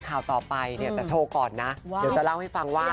ข่าวต่อไปเนี่ยจะโชว์ก่อนนะเดี๋ยวจะเล่าให้ฟังว่า